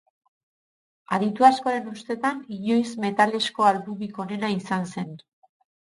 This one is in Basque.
Aditu askoren ustetan, inoiz metalezko albumik onena izan zen.